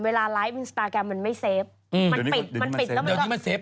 เวลาไลฟ์อินสตาร์แกรมมันไม่เซฟ